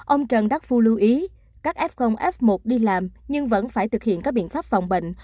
ông trần đắc phu lưu ý các f f một đi làm nhưng vẫn phải thực hiện các biện pháp phòng bệnh